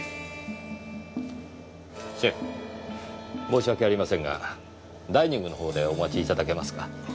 申し訳ありませんがダイニングのほうでお待ちいただけますか？